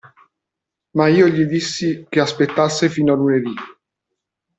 Ma io gli dissi che aspettasse fino a lunedì.